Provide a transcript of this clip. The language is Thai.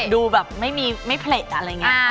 ดูแบบไม่เพล็ดอะไรอย่างนี้